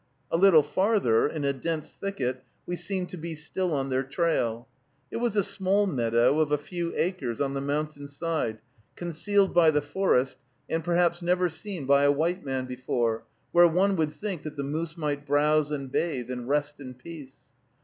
A little farther, in a dense thicket, we seemed to be still on their trail. It was a small meadow, of a few acres, on the mountain side, concealed by the forest, and perhaps never seen by a white man before, where one would think that the moose might browse and bathe, and rest in peace.